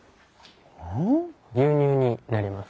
牛乳になります。